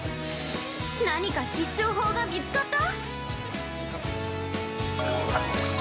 ◆何か必勝法が見つかった！？